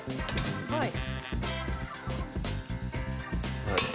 はい。